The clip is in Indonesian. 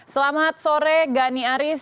selamat sore gani aris